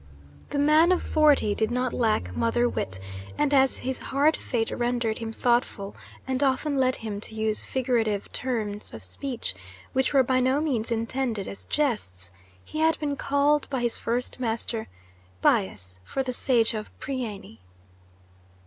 The man of forty did not lack mother wit, and as his hard fate rendered him thoughtful and often led him to use figurative turns of speech, which were by no means intended as jests, he had been called by his first master "Bias" for the sage of Priene.